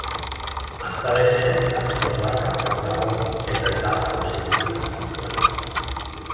Antza denez, akusatua kanpoan dago eta ez da auzitegira joan.